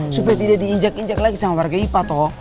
supaya tidak diinjak injak lagi sama warga ipa toh